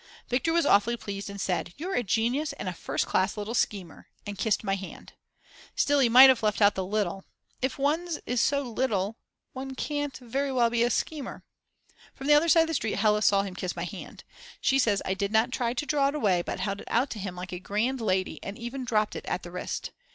Viktor was awfully pleased and said: "You're a genius and a first class little schemer," and kissed my hand. Still, he might have left out the "little." If one's is so little, one can't very well be a schemer. From the other side of the street Hella saw him kiss my hand. She says I did not try to draw it away, but held it out to him like a grand lady and even dropped it at the wrist.